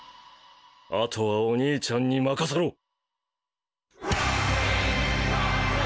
後はお兄ちゃんに任せろ。